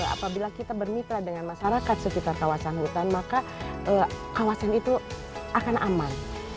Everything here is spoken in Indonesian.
apabila kita bermitra dengan masyarakat sekitar kawasan hutan maka kawasan itu akan aman